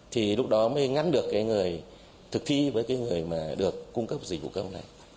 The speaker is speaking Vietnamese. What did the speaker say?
thì lúc đó mới ngắn được cái người thực thi với cái người mà được cung cấp dịch vụ công này